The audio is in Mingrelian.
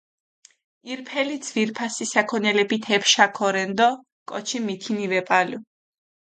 ირფელი ძვირფასი საქონელეფით ეფშა ქორენ დო კოჩი მითინი ვეპალუ.